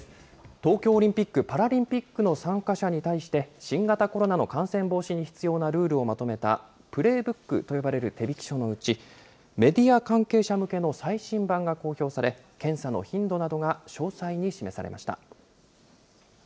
東京オリンピック・パラリンピックの参加者に対して、新型コロナの感染防止に必要なルールをまとめたプレーブックと呼ばれる手引書のうち、メディア関係者向けの最新版が公表され、検査の頻度などが詳細に示されました。